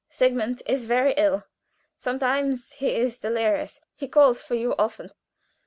Sigmund is very ill. Sometimes he is delirious. He calls for you often.